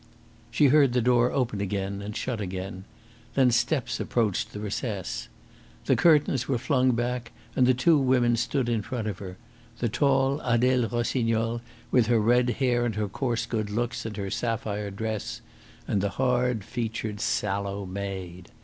She heard the door open again and shut again. Then steps approached the recess. The curtains were flung back, and the two women stood in front of her the tall Adele Rossignol with her red hair and her coarse good looks and her sapphire dress, and the hard featured, sallow maid.